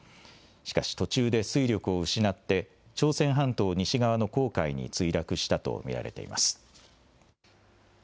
しかし、途中で推力を失って、朝鮮半島西側の黄海に墜落したと見られています。